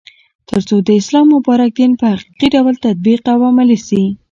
ترڅو د اسلام مبارک دين په حقيقي ډول تطبيق او عملي سي